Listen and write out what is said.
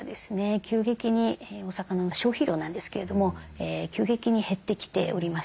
急激にお魚の消費量なんですけれども急激に減ってきております。